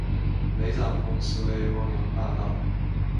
雷展鹏实为汪洋大盗。